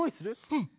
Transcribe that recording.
うん！